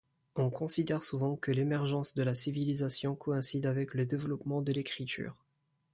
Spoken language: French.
On considère souvent que l'émergence de la civilisation coïncide avec le développement de l'écriture.